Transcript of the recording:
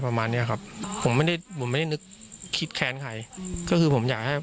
ประมาณเนี้ยครับผมไม่ได้ผมไม่ได้นึกคิดแค้นใครก็คือผมอยากให้